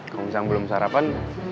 kalau misalnya belum sarapan